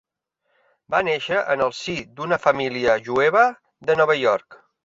Va néixer en el si d'una família jueva de Nova York.